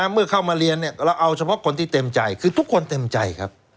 เมื่อเข้ามาเรียนเราเอาเฉพาะคนที่เต็มใจคือทุกคนเต็มใจครับ